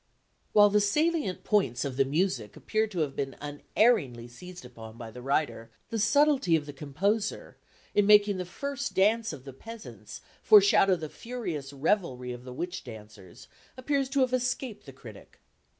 While the salient points of the music appear to have been unerringly seized upon by the writer, the subtlety of the composer in making the first dance of the peasants foreshadow the furious revelry of the witch dancers appears to have escaped the critic.